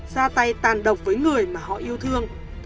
ra tay tàn độc với người mà họ yêu thương